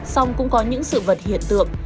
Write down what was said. xong cũng có những sự vật hiện tượng